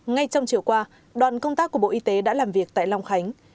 ngay trong chiều qua đoàn công tác của bộ y tế đã làm việc tại long khánh